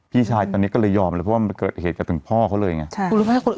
พี่ชายตอนนี้ก็เลยยอมเลยเพราะว่ามันเกิดเหตุกันถึงพ่อเขาเลยไง